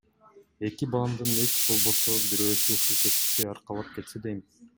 Эки баламдын эч болбосо бирөөсү ушул кесипти аркалап кетсе дейм.